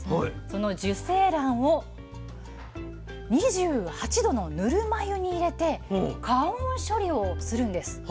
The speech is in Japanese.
その受精卵を２８℃のぬるま湯に入れて加温処理をするんです。